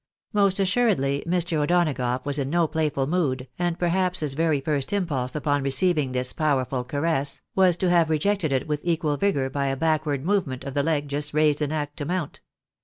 Most assuredly Mr. O'Donagough was in no playful mood, and perhaps his very first impulse upon receiving this power ful caress, was to have rejected it with equal vigour by a backward movement of the leg just raised in act to mount.